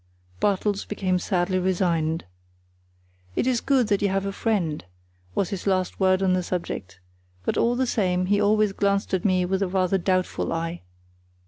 Bartels became sadly resigned. "It is good that you have a friend," was his last word on the subject; but all the same he always glanced at me with a rather doubtful eye.